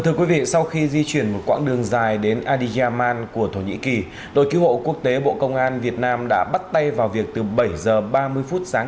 trong khi đối xử chuyên nghiệp và tiến độ khẩn trương đoàn cứu hộ việt nam đã phối hợp với quân đội pakistan